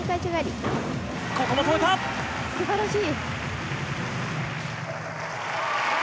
すばらしい！